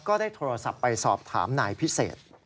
ก็ได้โทรศัพท์ไปสอบถามนายพิเศษ